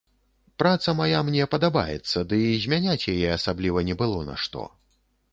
Праца мая мне падабаецца, ды і змяняць яе асабліва не было на што.